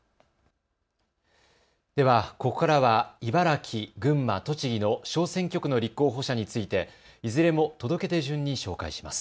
ではここからは茨城、群馬、栃木の小選挙区の立候補者についていずれも届け出順に紹介します。